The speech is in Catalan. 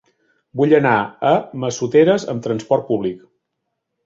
Vull anar a Massoteres amb trasport públic.